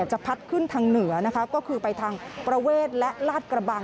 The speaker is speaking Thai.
จะพัดขึ้นทางเหนือนะคะก็คือไปทางประเวทและลาดกระบัง